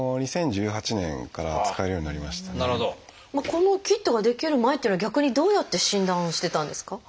このキットが出来る前っていうのは逆にどうやって診断をしてたんですか？